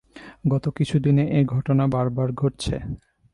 গত কিছুদিনে এ ঘটনা বারবার ঘটছে।